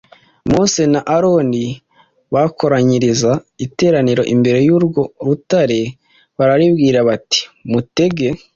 mose na aroni bakoranyiriza iteraniro imbere y urwo rutare bararibwira bati mutege